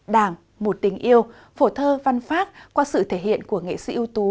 đảng một tình yêu phổ thơ văn phát qua sự thể hiện của nghệ sĩ ưu tú